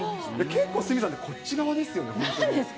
結構、鷲見さん、こっち側でなんですか？